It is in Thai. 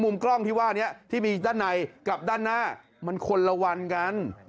กล้องที่ว่านี้ที่มีด้านในกับด้านหน้ามันคนละวันกัน